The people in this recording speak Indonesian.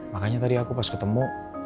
makanya tadi aku pas ketemu